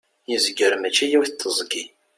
yezger mačči yiwet teẓgi